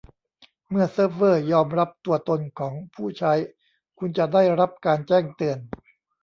เมื่อเซิร์ฟเวอร์ยอมรับตัวตนของผู้ใช้คุณจะได้รับการแจ้งเตือน